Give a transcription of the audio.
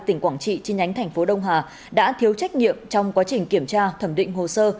tp quảng trị trên nhánh tp đông hà đã thiếu trách nhiệm trong quá trình kiểm tra thẩm định hồ sơ